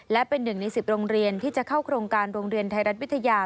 และเป็นหนึ่งใน๑๐โรงเรียนที่จะเข้าโครงการโรงเรียนไทยรัฐวิทยา